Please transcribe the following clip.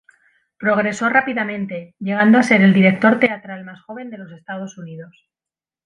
Progresó rápidamente, llegando a ser el director teatral más joven de los Estados Unidos.